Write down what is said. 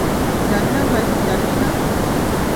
জানি না ভাই -জানিস না।